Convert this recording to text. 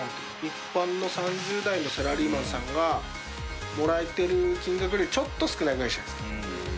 一般の３０代のサラリーマンさんがもらえてる金額よりちょっと少ないぐらいじゃないですか。